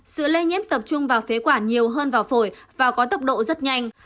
sự lây nhiễm tập trung vào phế quản nhiều hơn vào phổi và có tốc độ rất nhanh